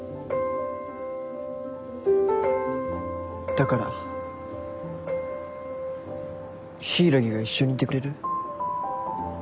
だから柊が一緒にいてくれる？